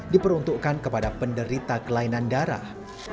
diperuntukkan kepada penderita kelainan darah